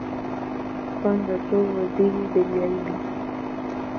ڕەنگە تۆ وەزیری دەریایی بی!